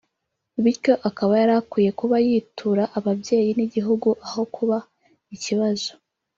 bityo akaba yari akwiye kuba yitura ababyeyi n’igihugu aho kuba ikibazo